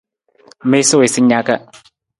Miisa wii sa naka.